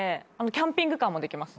キャンピングカーもできます。